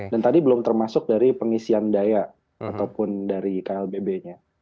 dan tadi belum termasuk dari pengisian daya ataupun dari klbb nya